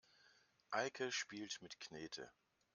Eike spielt mit Knete.